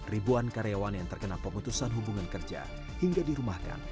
ribuan karyawan yang terkena pemutusan hubungan kerja hingga dirumahkan